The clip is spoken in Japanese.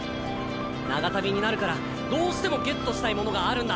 長旅になるからどうしてもゲットしたいものがあるんだ。